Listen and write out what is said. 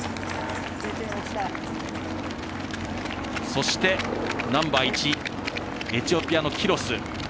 そして、ナンバー１エチオピアのキロス。